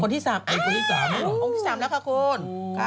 คนที่สามอังค์ที่สามแล้วค่ะคุณ